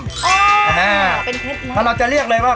อ๋อเป็นเท็จแล้วแม่ถ้าเราจะเรียกเลยว่า